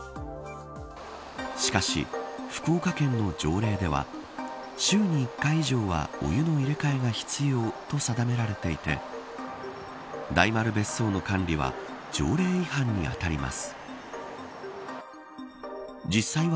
しかし、福岡県の条例では週に１回以上はお湯の入れ替えが必要と定められていて大丸別荘の管理は条例違反に当たります。